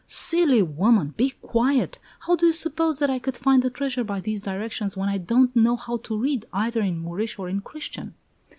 "Silly woman! Be quiet! How do you suppose that I could find the treasure by these directions, when I don't know how to read, either in Moorish or in Christian?"